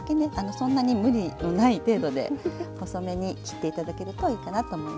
そんなに無理のない程度で細めに切っていただけるといいかなと思います。